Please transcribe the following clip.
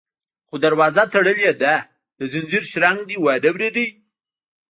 _خو دروازه تړلې ده، د ځنځير شرنګ دې وانه ورېد؟